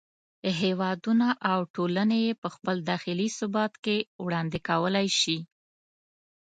هېوادونه او ټولنې یې په خپل داخلي ثبات کې وړاندې کولای شي.